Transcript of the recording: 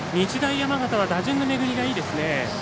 山形は打順の巡りがいいですね。